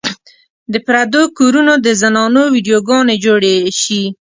د پردو کورونو د زنانو ويډيو ګانې جوړې شي